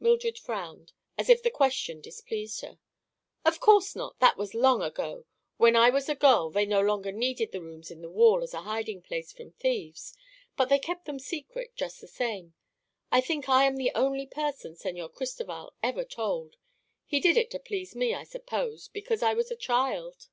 Mildred frowned, as if the question displeased her. "Of course not. That was long ago. When I was a girl they no longer needed the rooms in the wall as a hiding place from thieves; but they kept them secret, just the same. I think I am the only person Señor Cristoval ever told. He did it to please me, I suppose, because I was a child."